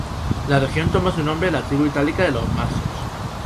La región toma su nombre de la tribu itálica de los marsos.